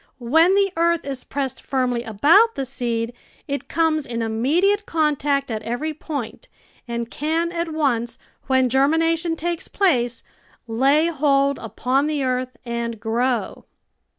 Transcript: When the earth is pressed firmly about the seed it comes in immediate contact at every point, and can at once, when germination takes place, lay hold upon the earth and grow.